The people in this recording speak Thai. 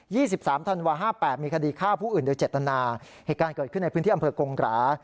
สิบสามธันวาห้าแปดมีคดีฆ่าผู้อื่นโดยเจตนาเหตุการณ์เกิดขึ้นในพื้นที่อำเภอกงกรา